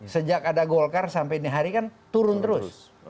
sejak ada golkar sampai hari kan turun terus